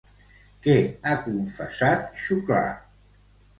Què ha confessat Xuclà?